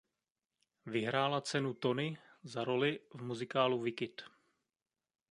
Vyhrála cenu Tony za roli v muzikálu "Wicked".